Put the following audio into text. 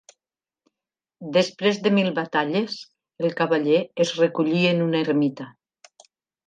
Després de mil batalles, el cavaller es recollí en una ermita.